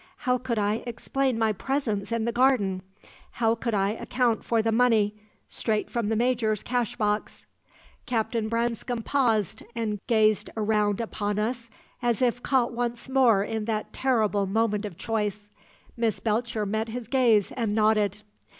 How could I explain my presence in the garden? How could I account for the money straight from the Major's cashbox?" Captain Branscome paused and gazed around upon us as if caught once more in that terrible moment of choice. Miss Belcher met his gaze and nodded.